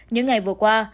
những ngày vừa qua